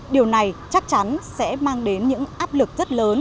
điều này chắc chắn sẽ mang đến những áp lực rất lớn